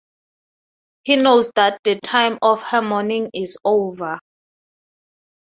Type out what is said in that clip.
He knows that the time of her mourning is over.